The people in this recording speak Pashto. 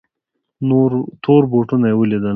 تور بوټونه یې ولیدل.